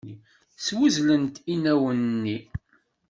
Swezlent inaw-nni.